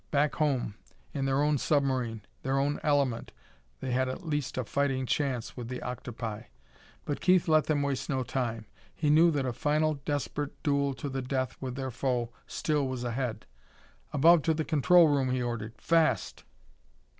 Back home in their own submarine, their own element they had at least a fighting chance with the octopi. But Keith let them waste no time. He knew that a final, desperate duel to the death with their foe still was ahead. "Above to the control room," he ordered. "Fast!"